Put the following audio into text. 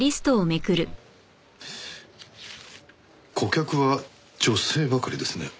顧客は女性ばかりですね。